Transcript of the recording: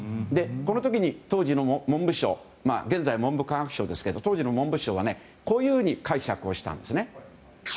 この時の文部省現在、文部科学省ですけど当時の文部省はこういうふうに解釈したんですね。